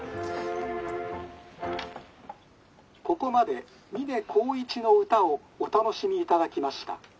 「ここまで三根耕一の歌をお楽しみいただきました」。